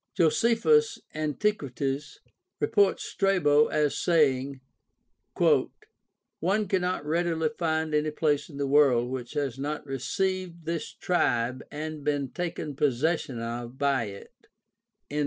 Josephus {Ant.^ XIV, vii, 2) reports Strabo as saying, "One cannot readily find any place in the world which has not received this tribe and been taken possession of by it."